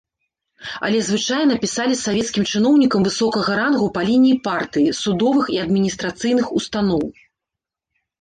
Але звычайна пісалі савецкім чыноўнікам высокага рангу па лініі партыі, судовых і адміністрацыйных устаноў.